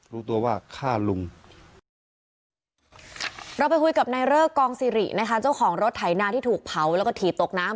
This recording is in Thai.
รู้ตัวว่าฆ่าลุง